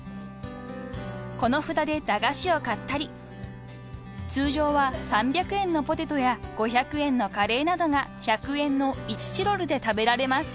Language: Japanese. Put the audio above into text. ［この札で駄菓子を買ったり通常は３００円のポテトや５００円のカレーなどが１００円の１チロルで食べられます］